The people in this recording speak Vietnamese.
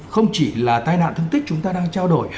không chỉ là tai nạn thương tích chúng ta đang trao đổi